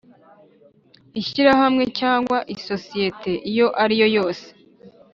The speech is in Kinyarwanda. Ishyirahamwe cyangwa isosiyete iyo ariyo yose